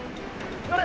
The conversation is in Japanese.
乗れ！